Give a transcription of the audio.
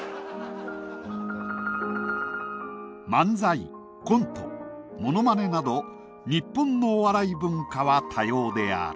漫才コントモノマネなど日本のお笑い文化は多様である。